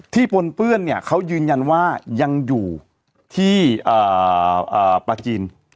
ปนเปื้อนเนี่ยเขายืนยันว่ายังอยู่ที่ปลาจีน